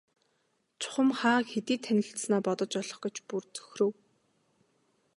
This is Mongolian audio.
Чухам хаа хэдийд танилцсанаа бодож олох гэж бүр цөхрөв.